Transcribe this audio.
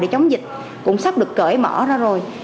chống dịch cũng sắp được cởi mở ra rồi